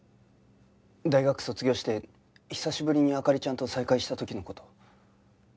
大学卒業して久しぶりに灯ちゃんと再会した時の事。